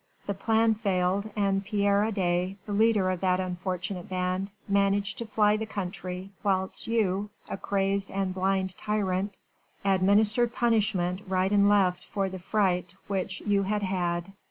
the plan failed and Pierre Adet, the leader of that unfortunate band, managed to fly the country, whilst you, like a crazed and blind tyrant, administered punishment right and left for the fright which you had had.